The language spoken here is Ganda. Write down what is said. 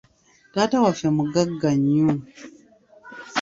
Taata waffe mugagga nnyo.